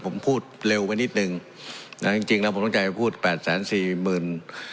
ผมพูดเร็วไปนิดนึงนะจริงจริงแล้วผมต้องใจพูดแปดแสนสี่หมื่น